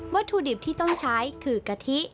ถุดิบที่ต้องใช้คือกะทิ